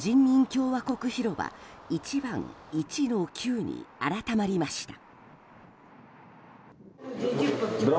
共和国広場１番１−９に改まりました。